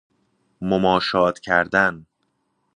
مماشات کردن